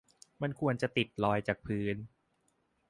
มันควรจะติดลอยจากพื้น